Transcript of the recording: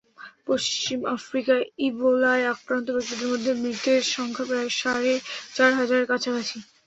পশ্চিম আফ্রিকায় ইবোলায় আক্রান্ত ব্যক্তিদের মধ্যে মৃতের সংখ্যা সাড়ে চার হাজারের কাছাকাছি।